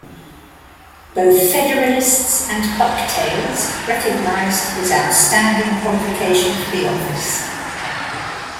Both Federalists and Bucktails recognized his outstanding qualification for the office.